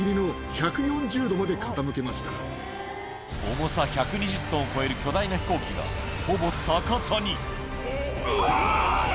重さ１２０ｔを超える巨大な飛行機がほぼ逆さにうわ！